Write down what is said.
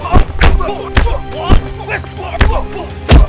pulau berubahnya k pingin kita recursos